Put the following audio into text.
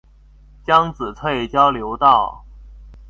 江子翠交流道